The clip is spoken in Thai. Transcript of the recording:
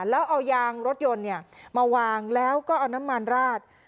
แล้วเอายางรถยนต์มาวางแล้วก็เอาน้ำมันราด